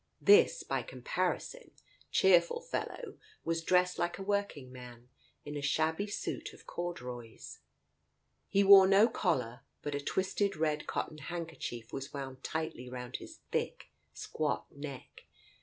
This — by com parison — cheerful fellow was dressed like a working man, in a shabby suit of corduroys. He wore no collar, but a twisted red cotton handkerchief was wound tightly round his thick squat neck.